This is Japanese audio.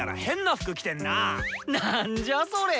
なんじゃそれ！